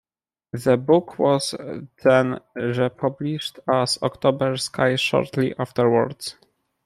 The book was then re-published as "October Sky" shortly afterwards.